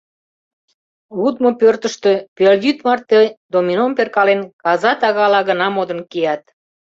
Лудмо пӧртыштӧ, пелйӱд марте домином перкален, «каза тагала» гына модын кият.